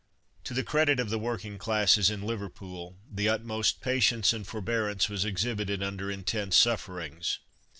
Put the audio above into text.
To the credit of the working classes in Liverpool, the utmost patience and forbearance was exhibited under intense sufferings.